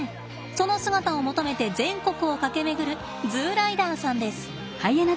その姿を求めて全国を駆け巡るＺＯＯライダーさんです。